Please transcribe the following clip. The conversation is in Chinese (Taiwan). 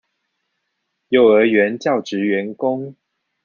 幼兒園教職員工